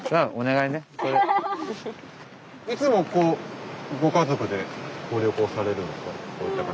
いつもこうご家族でご旅行されるんですか？